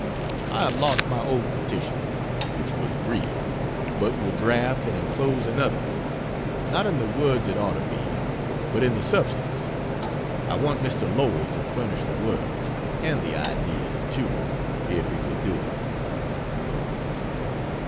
I have lost my old petition, (which was brief) but will draft and enclose another not in the words it ought to be, but in the substance. I want Mr. Lowell to furnish the words (and the ideas too,) if he will do it.